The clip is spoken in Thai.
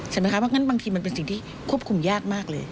เพราะงั้นบางทีมันเป็นสิ่งที่ควบคุมยากมากเลย